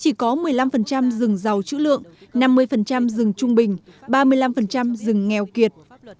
chỉ có một mươi năm rừng giàu chữ lượng năm mươi rừng trung bình ba mươi năm rừng nghèo kiệt